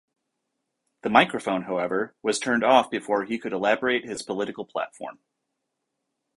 The microphone, however, was turned off before he could elaborate his political platform.